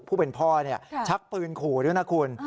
ผู้เป็นพ่อชักปืนขู่ด้วยนะคุณ